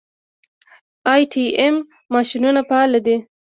د ای ټي ایم ماشینونه فعال دي؟